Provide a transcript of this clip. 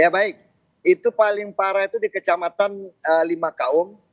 ya baik itu paling parah itu di kecamatan lima kaum